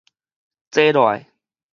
坐落來